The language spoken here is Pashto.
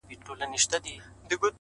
دومره حيا مه كوه مړ به مي كړې ـ